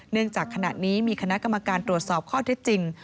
จากขณะนี้มีคณะกรรมการตรวจสอบข้อเท็จจริง